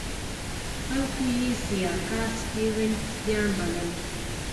خلکو یې سیاکا سټیونز سپیان بلل.